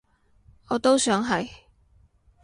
我都想係